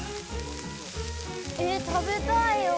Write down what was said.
ええ食べたいよ！